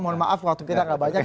mohon maaf waktu kita gak banyak